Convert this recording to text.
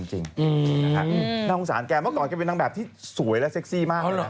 น่าสงสารแกเมื่อก่อนแกเป็นนางแบบที่สวยและเซ็กซี่มาก